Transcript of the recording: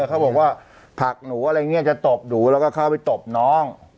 เขาบอกว่าผักหนูอะไรอย่างนี้จะตบหนูแล้วก็เข้าไปตบน้อง